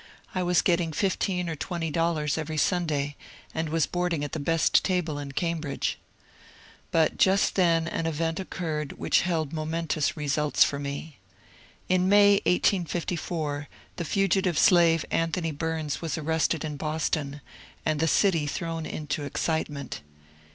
I was getting fifteen or twenly dollars every Sunday, and was boarding at the best table in Cambridge. But just then an event occurred which held momentous re sults for me. In May, 1854, the fugitive slave Anthony Bums was arrested in Boston, and the city thrown into excitement.